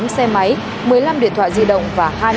tám xe máy một mươi năm điện thoại di động và hai mươi triệu đồng